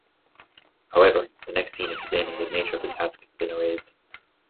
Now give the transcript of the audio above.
However, the next scene explaining the nature of the task has been erased.